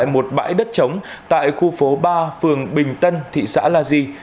công an đã tập kết một bãi đất chống tại khu phố ba phường bình tân thị xã la di